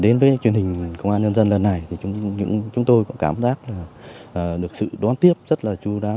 đến với truyền hình công an nhân dân lần này chúng tôi cảm giác được sự đón tiếp rất là chú đáo